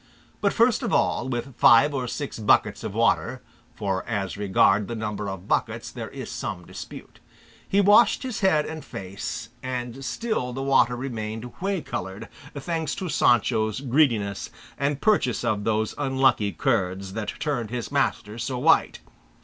But first of all, with five or six buckets of water (for as regard the number of buckets there is some dispute), he washed his head and face, and still the water remained whey coloured, thanks to Sancho's greediness and purchase of those unlucky curds that turned his master so white.